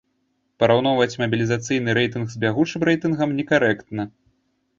Параўноўваць мабілізацыйны рэйтынг з бягучым рэйтынгам некарэктна.